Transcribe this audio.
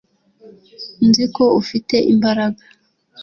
nzi ko ufite imbaraga